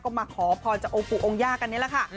ก็มาขอพรจากโอปุองยากันนี้แหละค่ะ